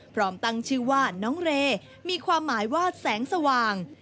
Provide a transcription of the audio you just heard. พร้อมตั้งชื่อว่าน้องเรมีความหมายว่าแสงสว่าง